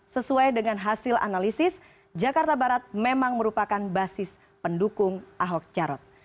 sesuai dengan hasil analisis jakarta barat memang merupakan basis pendukung ahok jarot